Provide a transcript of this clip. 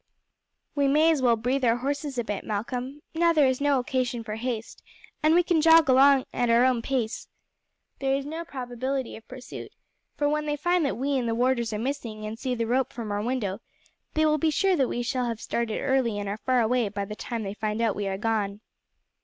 "We may as well breathe our horses a bit, Malcolm, now there is no occasion for haste, and we can jog along at our own pace. There is no probability of pursuit, for when they find that we and the warders are missing and see the rope from our window they will be sure that we shall have started early and are far away by the time they find out we are gone."